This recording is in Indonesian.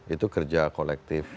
itu kerja kolektif